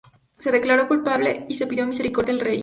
Se declaró culpable y se pidió misericordia al rey.